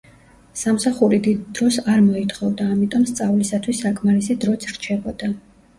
სამსახური დიდ დროს არ მოითხოვდა, ამიტომ სწავლისათვის საკმარისი დროც რჩებოდა.